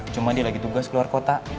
cuma dia lagi tugas ke luar kota